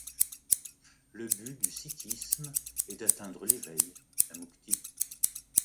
Le but du sikhisme est d'atteindre l'éveil, la mukti.